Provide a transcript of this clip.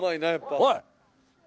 おい！